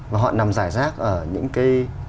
và họ nằm giải rác ở những cái